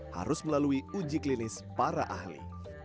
harus melalui uji klinis para ahli